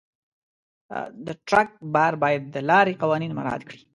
د ټرک بار باید د لارې قوانین مراعت کړي.